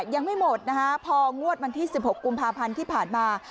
ยังไม่หมดนะคะพองวดวันที่๑๖กุมภาพันธ์ที่ผ่านมา